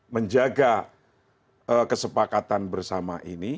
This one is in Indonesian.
menjaga kesepakatan bersama ini